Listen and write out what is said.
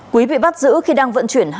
quý bị bắt giữ khi đang vận chuyển